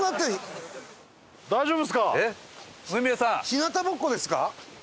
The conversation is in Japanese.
日なたぼっこですか？